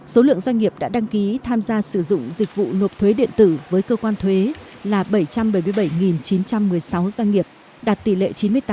số lượng doanh nghiệp đã đăng ký tham gia sử dụng dịch vụ nộp thuế điện tử với cơ quan thuế là bảy trăm bảy mươi bảy chín trăm một mươi sáu doanh nghiệp đạt tỷ lệ chín mươi tám tám